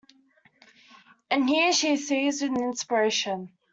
And here, she is seized with an inspiration.